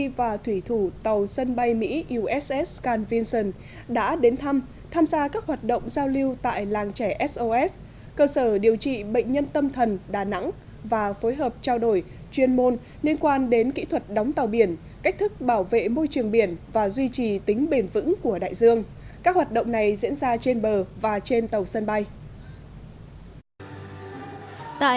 trong cuộc giao lưu tại đà nẵng chỉ huy và thủy thủ tàu sân bay mỹ uss carl vinson đã đến thăm tham gia các hoạt động giao lưu tại làng trẻ sos cơ sở điều trị bệnh nhân tâm thần đà nẵng và phối hợp trao đổi chuyên môn liên quan đến kỹ thuật đóng tàu biển cách thức bảo vệ môi trường biển và duy trì tính bền vững của đại dương các hoạt động này diễn ra trên bờ và trên tàu sân bay